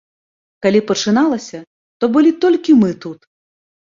Калі пачыналася, то былі толькі мы тут.